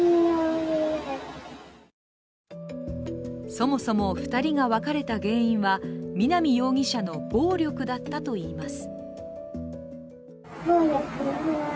そもそも２人が別れた原因は南容疑者の暴力だったといいます。